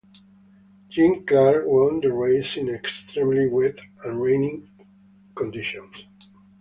Jim Clark won the race in extremely wet and rainy conditions.